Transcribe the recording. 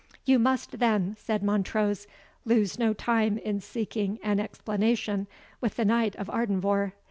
"You must, then," said Montrose, "lose no time in seeking an explanation with the Knight of Ardenvohr.